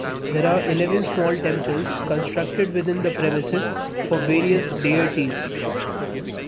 There are eleven small temples constructed within the premises for various deities.